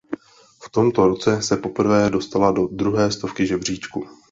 V tomto roce se poprvé dostala do druhé stovky žebříčku.